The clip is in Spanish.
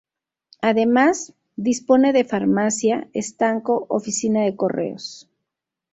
Además, dispone de farmacia, estanco, oficina de Correos.